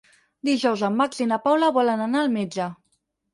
Dijous en Max i na Paula volen anar al metge.